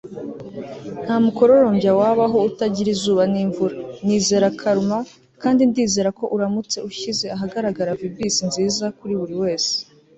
nta mukororombya wabaho utagira izuba n'imvura. nizera karma, kandi ndizera ko uramutse ushyize ahagaragara vibisi nziza kuri buri wese